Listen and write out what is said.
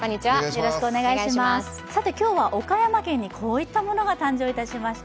今日は岡山県にこういったものが誕生いたしました。